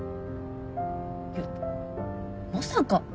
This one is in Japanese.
いやまさか。